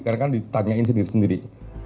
karena kan ditanyain sendiri sendiri